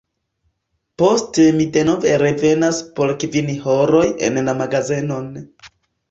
Poste mi denove revenas por kvin horoj en la magazenon.